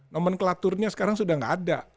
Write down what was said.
nomenklaturnya sekarang sudah tidak ada